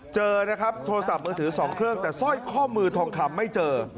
เจอนะครับโทรศัพท์มือถือ๒เครื่องแต่สร้อยข้อมือทองคำไม่เจอ